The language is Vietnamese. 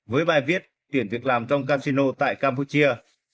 với bài viết tuyển việc làm trong casino tại campuchia